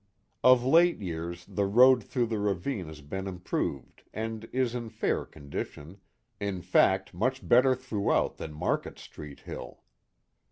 Of late years the road through the ravine has been im proved and is in fair condition, in fact much better through out than Market Street hill.